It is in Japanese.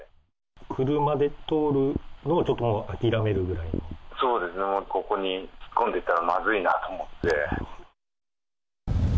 車で通るのを、ちょっともうそうですね、もうここに突っ込んでいったらまずいなと思って。